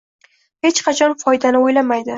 Hech qachon foydani o’ylamaydi.